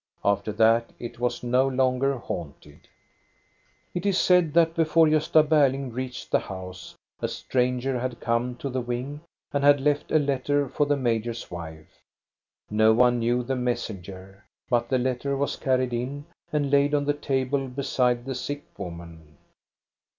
After that it was no longer haunted. 462 THE STORY OF GOSTA BE RUNG It is said that before Gosta Berling reached the house, a stranger had come to the wing and had left a letter for the major's wife. No one knew the mes senger, but the letter was carried in and laid on the table beside the sick woman.